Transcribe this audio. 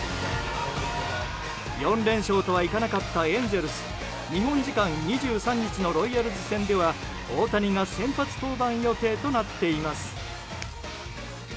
４連勝とはいかなかったエンゼルス日本時間２３日のロイヤルズ戦では大谷が先発登板予定となっています。